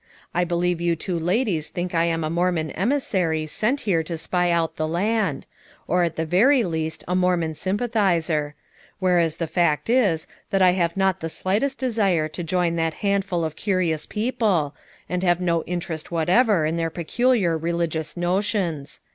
I believe you two ladies think I am a Mormon emissary sent here to spy out the land; or at the veiy least a Mormon sympathizer; whereas the fact is that I have not the slightest desire to join that handful of curious people, and have no interest whatever in their peculiar religious notions.